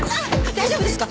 大丈夫ですか？